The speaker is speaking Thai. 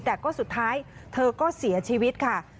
แต่ก็สุดท้ายเธอก็เสียชีวิตค่ะ